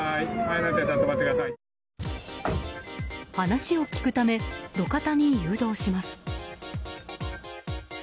話を聞くため路肩に誘導します。